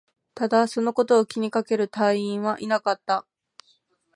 ただ、そのことを気にかける隊員はいなかった